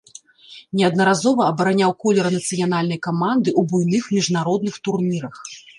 Неаднаразова абараняў колеры нацыянальнай каманды ў буйных міжнародных турнірах.